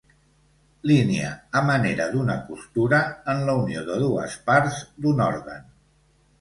Línia, a manera d'una costura, en la unió de dues parts d'un òrgan.